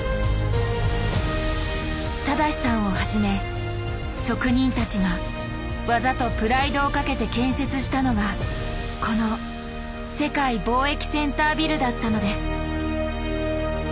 正さんをはじめ職人たちが技とプライドをかけて建設したのがこの世界貿易センタービルだったのです。